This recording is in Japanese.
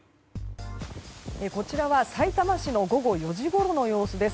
こちらは、さいたま市の午後４時ごろの様子です。